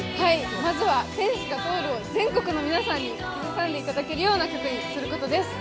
まずは、「天使が通る」を全国の皆さんに口ずさんでいただけるような曲にすることです。